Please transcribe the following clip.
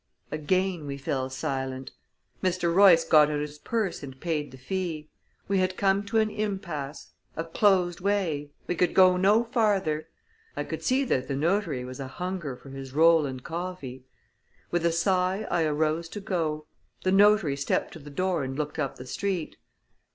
Again we fell silent. Mr. Royce got out his purse and paid the fee. We had come to an impasse a closed way, we could go no farther. I could see that the notary was a hungered for his roll and coffee. With a sigh, I arose to go. The notary stepped to the door and looked up the street.